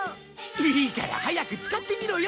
いいから早く使ってみろよ！